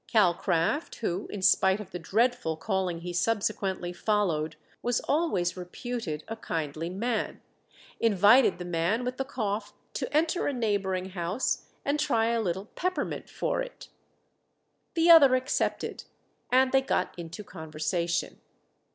Calcraft, who, in spite of the dreadful calling he subsequently followed, was always reputed a kindly man, invited the man with the cough to enter a neighbouring house and try a little peppermint for it. The other accepted, and they got into conversation.